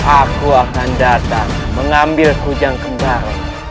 aku akan datang mengambil kujang kembar